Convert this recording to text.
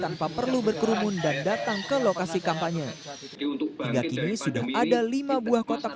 tanpa perlu berkerumun dan datang ke lokasi kampanye hingga kini sudah ada lima buah kotak